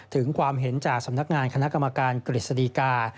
ถึงความเห็นจากสำนักงานคณะกรรมการกฤษฎีกา